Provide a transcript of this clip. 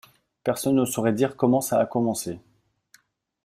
Personne ne saurait dire comment ça a commencé.